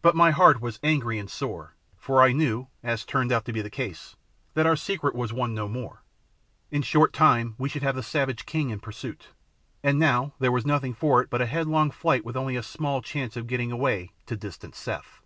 But my heart was angry and sore, for I knew, as turned out to be the case, that our secret was one no more; in a short time we should have the savage king in pursuit, and now there was nothing for it but headlong flight with only a small chance of getting away to distant Seth.